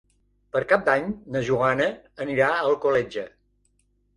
Per Cap d'Any na Joana anirà a Alcoletge.